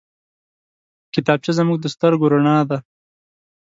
کتابچه زموږ د سترګو رڼا ده